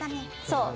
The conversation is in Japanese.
そう。